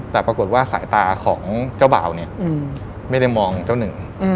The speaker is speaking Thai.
แต่ปรากฏว่าสายตาของเจ้าบ่าวเนี่ยไม่ได้มองเจ้าหนึ่ง